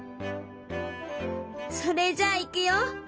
それじゃあいくよ！